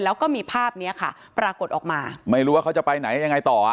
แล้วก็มีภาพเนี้ยค่ะปรากฏออกมาไม่รู้ว่าเขาจะไปไหนยังไงต่ออ่ะ